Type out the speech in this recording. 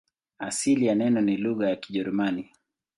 Asili ya neno ni lugha ya Kijerumani.